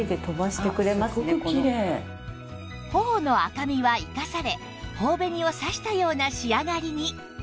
頬の赤みは生かされ頬紅をさしたような仕上がりに！